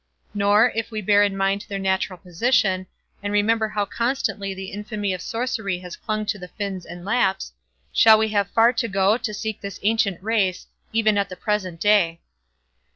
Nor, if we bear in mind their natural position, and remember how constantly the infamy of sorcery has clung to the Finns and Lapps, shall we have far to go to seek this ancient race, even at the present day.